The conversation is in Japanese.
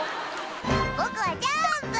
「僕はジャンプ！」